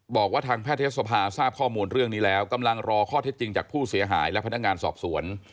บอกว่าทางแพทยศภาทราบข้อมูลเรื่องนี้แล้วกำลังรอข้อเท็จจริงจากผู้เสียหายและพนักงานสอบสวน